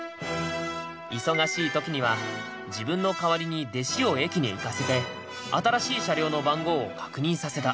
忙しい時には自分の代わりに弟子を駅に行かせて新しい車両の番号を確認させた。